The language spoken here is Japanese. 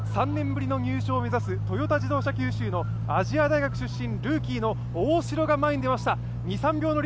３年ぶりの入賞を目指すトヨタ自動車九州の亜細亜大学出身のルーキーの大城が前に出ました。